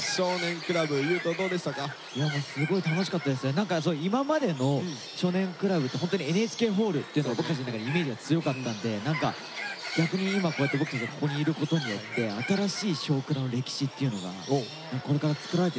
何か今までの「少年倶楽部」ってホントにＮＨＫホールっていうのが僕たちの中でイメージが強かったんで何か逆に今こうやって僕たちがここにいることによって新しい「少クラ」の歴史っていうのがこれから作られていくのかなと思うとすごく楽しみになりましたね。